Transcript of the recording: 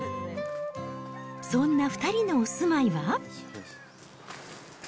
そんな２人のお住まいは。